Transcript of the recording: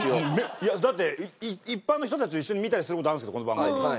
いやだって一般の人たちと一緒に見たりする事があるんですけどこの番組。